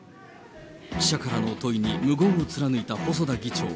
記者からの問いに無言を貫いた細田議長。